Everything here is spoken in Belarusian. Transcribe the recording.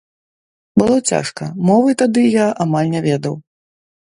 Было цяжка, мовы тады я амаль не ведаў.